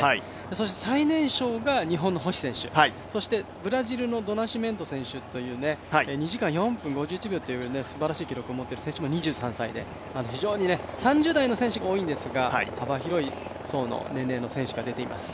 そして、最年少が日本の星選手そしてブラジルのドナシメント選手という２時間４分５１秒というすばらしい記録を持っている選手も２３歳で、非常に３０代の選手が多いんですが、幅広い層の年齢の選手が出ています。